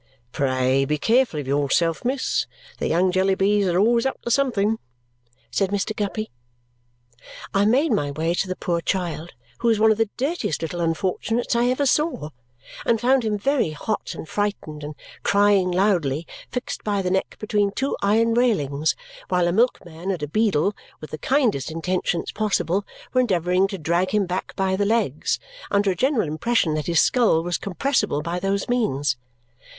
"Pray be careful of yourself, miss. The young Jellybys are always up to something," said Mr. Guppy. I made my way to the poor child, who was one of the dirtiest little unfortunates I ever saw, and found him very hot and frightened and crying loudly, fixed by the neck between two iron railings, while a milkman and a beadle, with the kindest intentions possible, were endeavouring to drag him back by the legs, under a general impression that his skull was compressible by those means.